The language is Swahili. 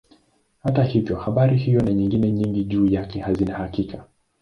Hata hivyo habari hiyo na nyingine nyingi juu yake hazina hakika.